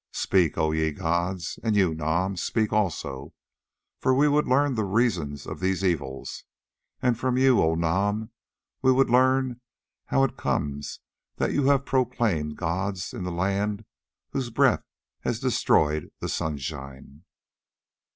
Speak, O ye gods, and you, Nam, speak also, for we would learn the reason of these evils; and from you, O Nam, we would learn how it comes that you have proclaimed gods in the land whose breath has destroyed the sunshine."